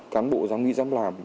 cán bộ giám nghị giám làm